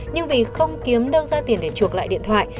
nhưng vì không kiếm đâu ra tiền để chuộc lại điện thoại